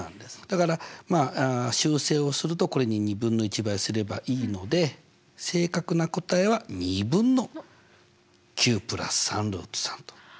だからまあ修正をするとこれに２分の１倍すればいいので正確な答えは２分の９＋３ルート３と。